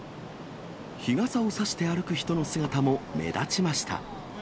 日傘を差して歩く人の姿も目立ちました。